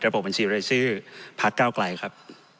ระบบบัญชีรายชื่อพัฒน์เก้ากลัยครับ